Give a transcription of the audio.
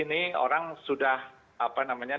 ini orang sudah apa namanya